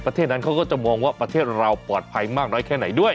ประเทศนั้นเขาก็จะมองว่าประเทศเราปลอดภัยมากน้อยแค่ไหนด้วย